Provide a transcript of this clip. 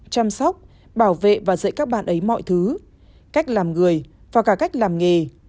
chăm sóc bảo vệ và dạy các bạn ấy mọi thứ cách làm người và cả cách làm nghề